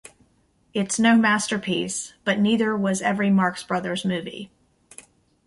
It's no masterpiece, but neither was every Marx Brothers movie.